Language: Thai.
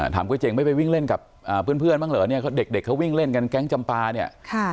ก๋วยเจ๋งไม่ไปวิ่งเล่นกับเพื่อนบ้างเหรอเนี่ยเด็กเขาวิ่งเล่นกันแก๊งจำปาเนี่ย